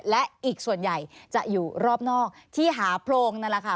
และอีกส่วนใหญ่จะอยู่รอบนอกที่หาโพรงนั่นแหละค่ะ